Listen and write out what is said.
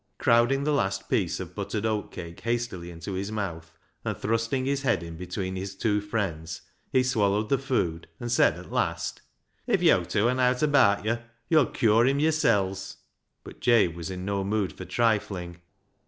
Crowding the last piece of buttered oatcake hastily into his mouth, and thrusting his head in between his two friends, he swallowed the food, and said at last— " If yo' tew han owt abaat yo', yo'll cure him yorsel's." But Jabe was in no mood for trifling.